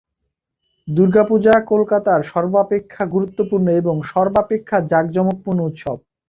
দুর্গাপূজা কলকাতার সর্বাপেক্ষা গুরুত্বপূর্ণ এবং সর্বাপেক্ষা জাঁকজমকপূর্ণ উৎসব।